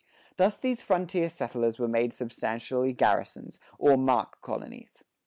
[70:2] Thus these frontier settlers were made substantially garrisons, or "mark colonies."